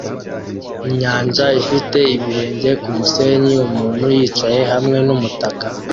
inyanja ifite ibirenge kumusenyi umuntu yicaye hamwe numutaka